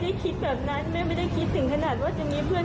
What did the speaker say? แต่แม่คิดว่าใครทำลูกแม่ทุกวัน